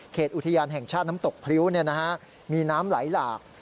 อุทยานแห่งชาติน้ำตกพริ้วมีน้ำไหลหลาก